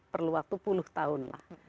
perlu waktu puluh tahun lah